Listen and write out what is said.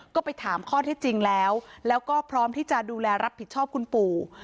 ก็ไปถามข้อที่จริงแล้วแล้วก็พร้อมที่จะดูแลรับผิดชอบคุณปู่